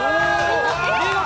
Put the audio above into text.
見事！